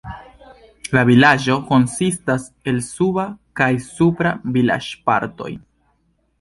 La vilaĝo konsistas el suba kaj supra vilaĝpartoj.